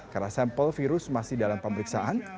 karena sampel virus masih dalam pemeriksaan